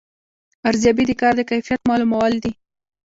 ارزیابي د کار د کیفیت معلومول دي